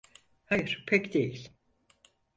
Hayır, pek değil.